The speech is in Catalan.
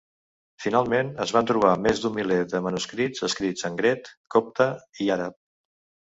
Finalment es van trobar més d'un miler de manuscrits escrits en grec, copte i àrab.